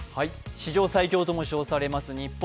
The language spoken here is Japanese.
史上最強とも称されます日本。